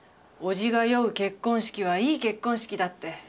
おじが酔う結婚式はいい結婚式だって。